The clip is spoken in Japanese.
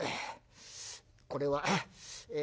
「これはええ